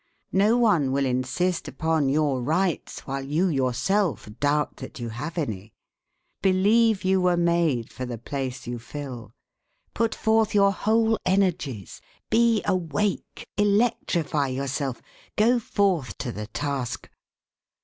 No one will insist upon your rights while you yourself doubt that you have any. Believe you were made for the place you fill. Put forth your whole energies. Be awake, electrify yourself; go forth to the task.